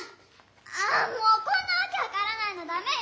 あもうこんなわけわからないのだめよ！